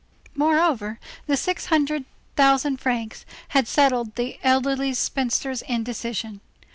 Moreover, the six hundred thousand francs had settled the elderly spinster's indecision.